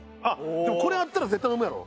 でもこれあったら絶対飲むやろ？